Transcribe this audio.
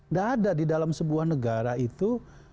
tidak ada di dalam sebuah negara itu